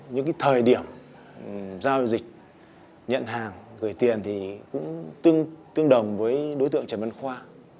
những cái thời điểm giao dịch nhận hàng gửi tiền thì cũng tương đồng với đối tượng trần văn khoa